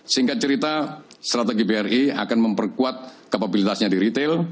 singkat cerita strategi bri akan memperkuat kapabilitasnya di retail